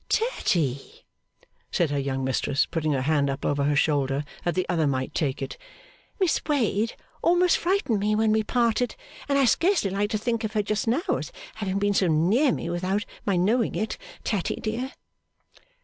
'Tatty,' said her young mistress, putting her hand up over her shoulder that the other might take it, 'Miss Wade almost frightened me when we parted, and I scarcely like to think of her just now as having been so near me without my knowing it. Tatty dear!